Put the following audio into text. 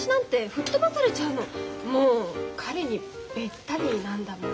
もう彼にべったりなんだもん。